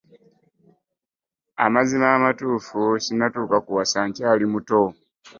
Amazima amatuufu ssinnatuuka kuwasa nkyali muto.